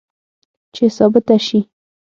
چې ثابته شي